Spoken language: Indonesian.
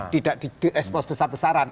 tidak di expose besar besaran